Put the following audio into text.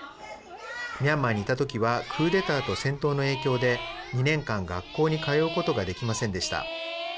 ミャンマーにいたときは、クーデターと戦闘の影響で、２年間、学校に通うことができませんでした。